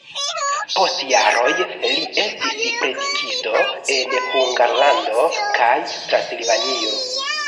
Post jaroj li estis predikisto en Hungarlando kaj Transilvanio.